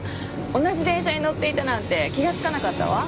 同じ電車に乗っていたなんて気がつかなかったわ。